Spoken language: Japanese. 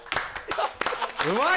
うまい！